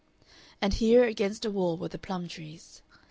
And here against a wall were the plum trees.